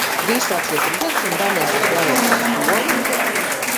Drīz sāksies rudens un bērniem būs jāiet uz skolu.